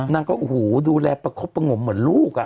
นางก็โอ้โหดูแลประคบประงมเหมือนลูก